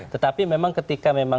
tetapi memang ketika